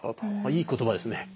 いい言葉ですね。